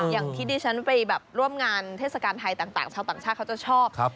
อย่างที่ดิฉันไปแบบร่วมงานเทศกาลไทยต่างชาวต่างชาติเขาจะชอบ